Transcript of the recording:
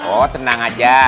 oh tenang aja